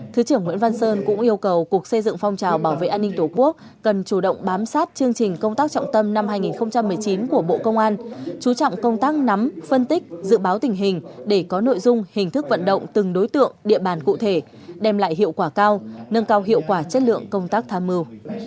thứ trưởng nguyễn văn sơn cũng yêu cầu cục xây dựng phong trào bảo vệ an ninh tổ quốc cần chủ động bám sát chương trình công tác trọng tâm năm hai nghìn một mươi chín của bộ công an chú trọng công tác nắm phân tích dự báo tình hình để có nội dung hình thức vận động từng đối tượng địa bàn cụ thể đem lại hiệu quả cao nâng cao hiệu quả chất lượng công tác tham mưu